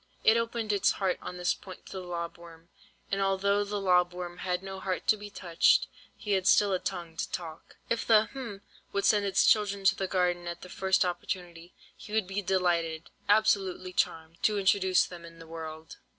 It opened its heart on this point to the lob worm, and although the lob worm had no heart to be touched, he had still a tongue to talk. "If the—hm—would send its children to the garden at the first opportunity, he would be delighted, absolutely charmed, to introduce them in the world.